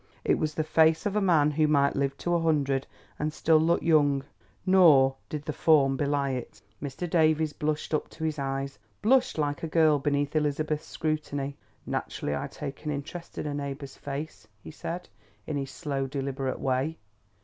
It was the face of a man who might live to a hundred and still look young, nor did the form belie it. Mr. Davies blushed up to his eyes, blushed like a girl beneath Elizabeth's scrutiny. "Naturally I take an interest in a neighbour's fate," he said, in his slow deliberate way.